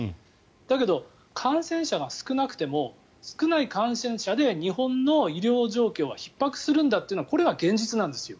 だけど、感染者が少なくても少ない感染者で日本の医療状況はひっ迫するんだというのがこれが現実なんですよ。